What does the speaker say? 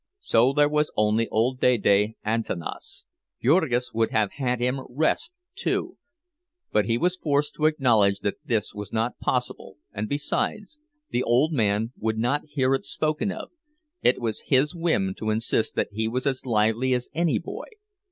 So there was only old Dede Antanas; Jurgis would have had him rest too, but he was forced to acknowledge that this was not possible, and, besides, the old man would not hear it spoken of—it was his whim to insist that he was as lively as any boy.